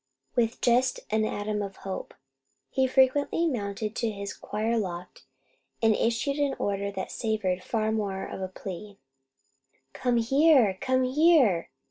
With just an atom of hope, he frequently mounted to his choir loft and issued an order that savoured far more of a plea, "Come here! Come here!"